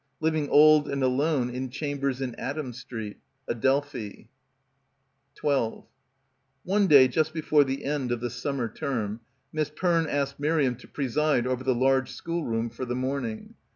Living old and alone in cham bers in Adam Street — Acfelphi. 12 One day just before the end of the summer term, Miss Perne asked Miriam to preside over the large schoolroom for the morning.